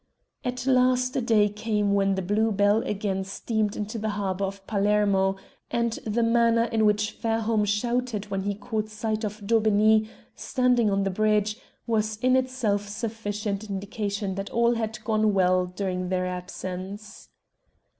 At last a day came when the Blue Bell again steamed into the harbour of Palermo, and the manner in which Fairholme shouted when he caught sight of Daubeney standing on the bridge was in itself sufficient indication that all had gone well during their absence.